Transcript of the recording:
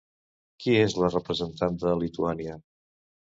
Qui és la representant de Lituània?